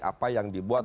apa yang dibuat oleh